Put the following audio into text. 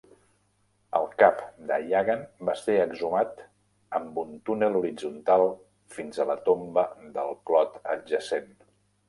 El cap de Yagan va ser exhumat amb un túnel horitzontal fins a la tomba del clot adjacent.